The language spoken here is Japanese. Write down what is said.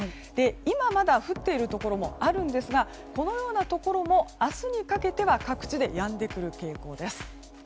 今まだ降っているところもあるんですがこのようなところも明日にかけては各地でやんでくる傾向です。